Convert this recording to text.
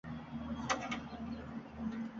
Men shunchaki atrofimdagi muhitni o’zgartira oldim.